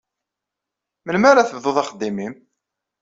Melmi ara tebduḍ axeddim-im?